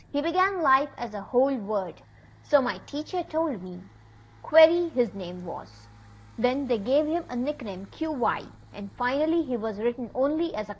He began life as a whole word, so my teacher told me ;^ Query,' his name was. Then they gave him a nickname, ^Qy'; and finally he was written only ?